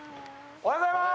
おはようございます。